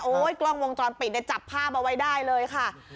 โอ้ยกล้องวงจรปิดจับผ้ามาไว้ได้เลยค่ะ